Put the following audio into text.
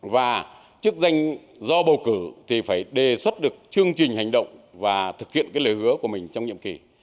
và chức danh do bầu cử thì phải đề xuất được chương trình hành động và thực hiện lời hứa của mình trong nhiệm kỳ